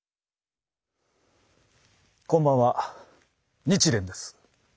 こんばんは日蓮です。